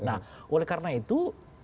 nah oleh karena itu